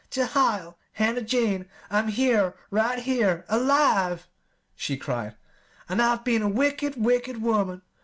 "Jehiel! Hannah Jane! I'm here, right here alive!" she cried. "An' I've been a wicked, wicked woman!